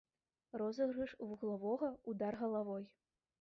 Розыгрыш вуглавога, удар галавой.